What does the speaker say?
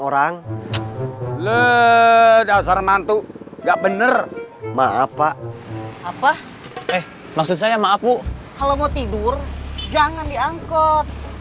orang lele dasar mantu gak bener maaf pak apa eh maksud saya maaf kalau mau tidur jangan diangkut